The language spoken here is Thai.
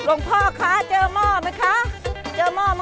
โอ้นั่นมันไหลแล้วคะลูกพ่อ